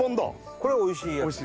これおいしいやつ？